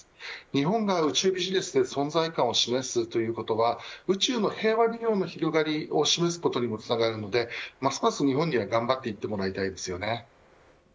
日本が宇宙ビジネス存在感を示すには宇宙の平和の広がりにもつながってますます日本には頑張っていってもらいたいです。